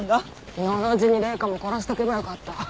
昨日のうちに麗華も殺しておけばよかった。